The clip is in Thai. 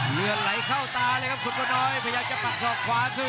เลือดไหลเข้าตาเลยครับคุณพ่อน้อยพยายามจะปักศอกขวาคืน